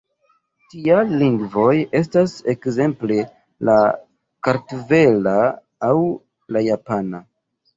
Tiaj lingvoj estas ekzemple la kartvela aŭ la japana.